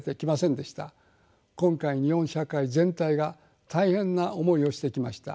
今回日本社会全体が大変な思いをしてきました。